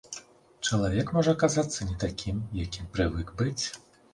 Чалавек можа аказацца не такім, якім прывык быць.